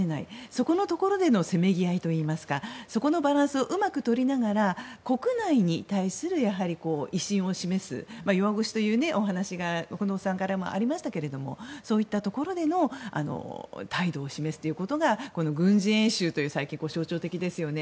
そこのところでのせめぎ合いといいますかそこのバランスをうまく取りながら、国内に対するやはり、威信を示す弱腰というお話が近藤さんからもありましたがそういったところでの態度を示すということが軍事演習という最近、象徴的ですよね。